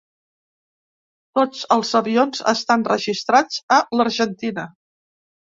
Tots els avions estan registrats a l'Argentina.